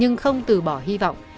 nhưng không từ bỏ hy vọng